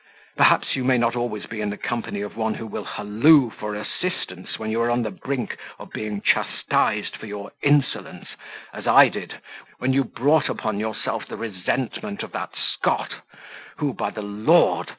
Perhaps you may not always be in the company of one who will halloo for assistance when you are on the brink of being chastised for your insolence, as I did, when you brought upon yourself the resentment of that Scot, who, by the Lord!